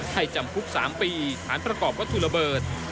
จำคุก๓ปีฐานประกอบวัตถุระเบิด